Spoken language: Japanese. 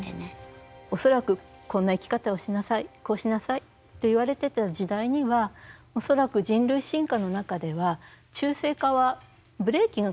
恐らく「こんな生き方をしなさいこうしなさい」って言われてた時代には恐らく人類進化の中では中性化はブレーキがかけられていた。